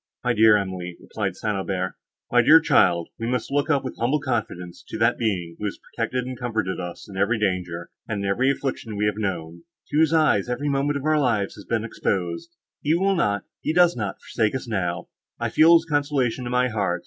"My dear Emily," replied St. Aubert, "my dear child, we must look up with humble confidence to that Being, who has protected and comforted us in every danger, and in every affliction we have known; to whose eye every moment of our lives has been exposed; he will not, he does not, forsake us now; I feel his consolations in my heart.